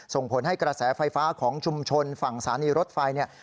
ส่งผลให้กระแสไฟฟ้าของชุมชนฝั่งสถานีรถไฟเนี่ย